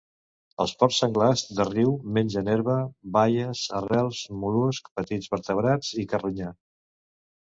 Els porcs senglars de riu mengen herba, baies, arrels, mol·luscs, petits vertebrats i carronya.